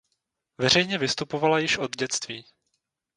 Veřejně vystupovala již od dětství.